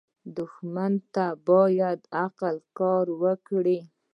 دښمن ته باید عقل کار وکړې